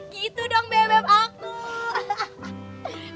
gitu dong bebep aku